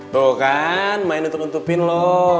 tuh kan main untuk untukin lo